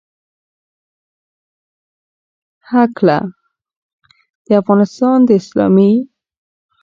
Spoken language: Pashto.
هکله، د افغانستان د اسلامي